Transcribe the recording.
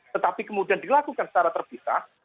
tetapi kemudian dilakukan secara terpisah